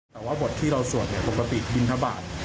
แต่ว่าบทที่เราสวดเนี่ยปกติบินทบาท